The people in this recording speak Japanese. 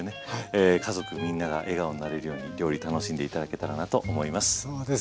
家族みんなが笑顔になれるように料理楽しんで頂けたらなと思います。